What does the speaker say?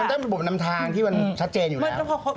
ได้ระบบนำทางที่มันชัดเจนอยู่แล้ว